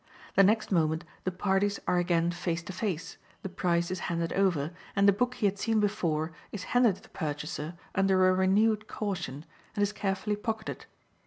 The next moment the parties are again face to face, the price is handed over, and the book he had seen before is handed to the purchaser under a renewed caution, and is carefully pocketed.